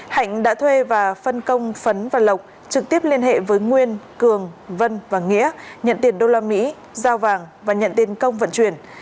hạnh đã thuê và phân công phấn và lộc trực tiếp liên hệ với nguyên cường vân và nghĩa nhận tiền đô la mỹ giao vàng và nhận tiền công vận chuyển